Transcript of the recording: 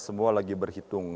semua lagi berhitung